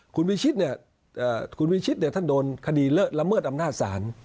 คุณวิชิตเนี่ยคุณวิชิตท่านโดนคดีละเมิดอำนาจศาล